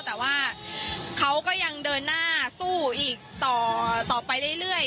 แต่ว่าเขาก็ยังเดินหน้าสู้อีกต่อไปเรื่อย